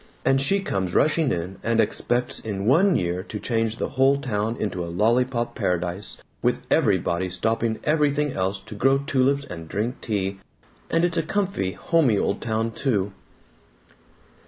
And she comes rushing in, and expects in one year to change the whole town into a lollypop paradise with everybody stopping everything else to grow tulips and drink tea. And it's a comfy homey old town, too!"